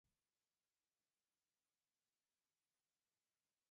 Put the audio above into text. ჰოლივუდის ბულვარზე გახსნილია შარლიზ თერონის სახელობის ვარსკვლავი.